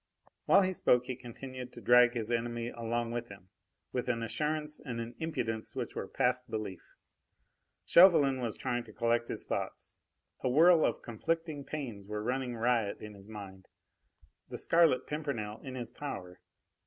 While he spoke he continued to drag his enemy along with him, with an assurance and an impudence which were past belief. Chauvelin was trying to collect his thoughts; a whirl of conflicting plans were running riot in his mind. The Scarlet Pimpernel in his power!